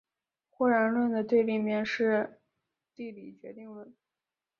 或然论的对立面是地理决定论。